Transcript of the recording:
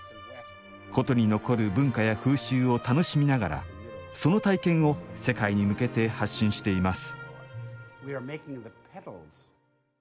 古都に残る文化や風習を楽しみながらその体験を世界に向けて発信しています。